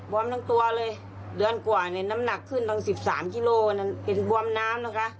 วมทั้งตัวเลยเดือนกว่าเนี่ยน้ำหนักขึ้นตั้ง๑๓กิโลเห็นบวมน้ำนะคะ